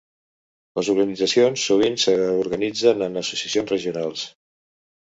Les organitzacions sovint s'organitzen en associacions regionals.